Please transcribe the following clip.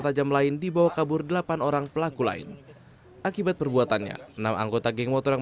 tajam lain dibawa kabur delapan orang pelaku lain akibat perbuatannya enam anggota geng motor yang